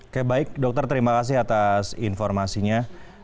oke baik dokter terima kasih atas informasinya